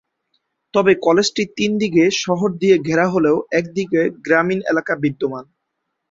তবে কলেজটি তিন দিকে শহর দিয়ে ঘেরা হলেও এক দিকে গ্রামীণ এলাকা বিদ্যমান।